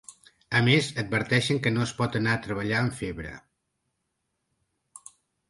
A més, adverteixen que no es pot anar a treballar amb febre.